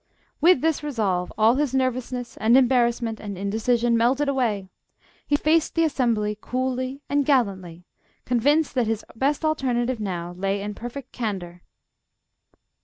With this resolve, all his nervousness and embarrassment and indecision melted away; he faced the assembly coolly and gallantly, convinced that his best alternative now lay in perfect candour.